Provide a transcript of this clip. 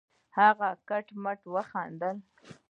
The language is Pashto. هغه کټ کټ وخندل.